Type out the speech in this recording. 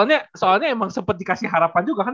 iya soalnya emang sempat dikasih harapan juga kan